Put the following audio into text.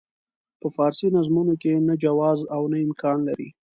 په فارسي نظمونو کې نه جواز او نه امکان لري.